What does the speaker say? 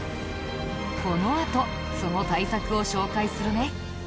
このあとその対策を紹介するね。